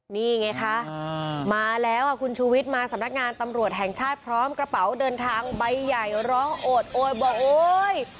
นี่ไงคะมาแล้วคุณชูวิทย์มาสำนักงานตำรวจแห่งชาติพร้อมกระเป๋าเดินทางใบใหญ่ร้องโอดโอยบอกโอ๊ย